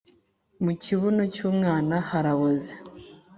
mu kibuno cy’ umwana haraboze.